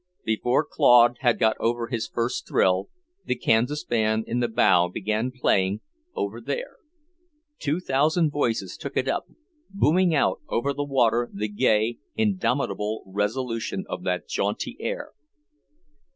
Before Claude had got over his first thrill, the Kansas band in the bow began playing "Over There." Two thousand voices took it up, booming out over the water the gay, indomitable resolution of that jaunty air.